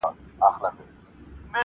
سړي وایې موږکانو دا کار کړﺉ-